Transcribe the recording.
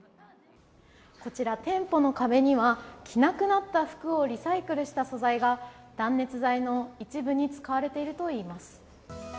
こちら店舗の壁には着なくなった服をリサイクルした素材が断熱材の一部に使われているといいます。